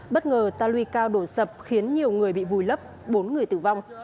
bất ngờ ta lui cao đổ sập khiến nhiều người bị vùi lấp bốn người tử vong